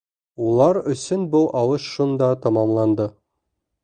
Улар өсөн был алыш шунда тамамланды.